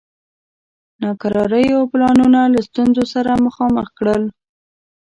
ناکراریو پلانونه له ستونزو سره مخامخ کړل.